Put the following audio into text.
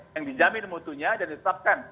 yang dijamin mutunya dan ditetapkan